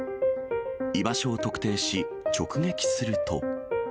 居場所を特定し、直撃すると。